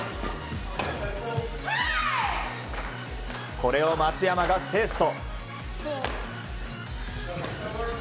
これを松山が制すと。